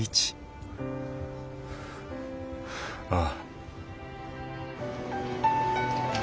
ああ。